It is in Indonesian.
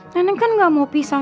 neneng kan nggak mau pisah